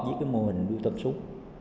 với cái mô hình nuôi tôm súng